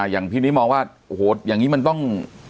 อย่างพี่นี้มองว่าโอ้โหอย่างนี้มันต้อง